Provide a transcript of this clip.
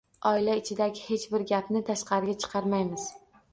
Oila ichidagi hech bir gapni tashqariga chiqarmaymiz